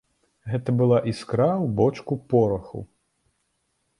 Гэта была іскра ў бочку пораху.